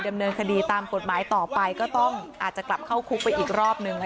ดำเนินคดีตามกฎหมายต่อไปก็ต้องอาจจะกลับเข้าคุกไปอีกรอบนึง